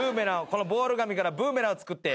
このボール紙からブーメランを作って。